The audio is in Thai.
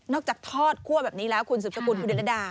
จากทอดคั่วแบบนี้แล้วคุณสุดสกุลคุณเดือนรดา